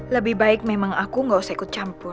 lebih baik memang aku gak usah ikut campur